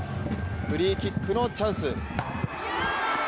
フリーキックのチャンス。